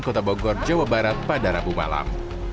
kota bogor jawa barat pada rabu malam